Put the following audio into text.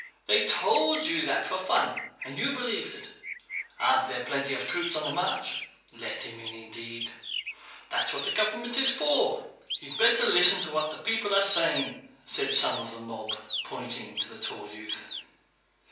They told you that for fun, and you believed it! Aren't there plenty of troops on the march? Let him in, indeed! That's what the government is for. You'd better listen to what people are saying," said some of the mob pointing to the tall youth.